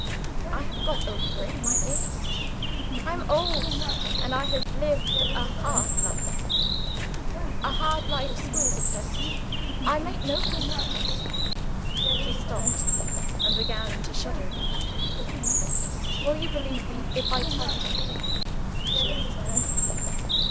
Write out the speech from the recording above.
"I have got over it, my dear. I am old; and I have lived a hard life. A hard life schools a person. I make no complaints." She stopped, and began to shudder again. "Will you believe me if I tell you something?" she asked.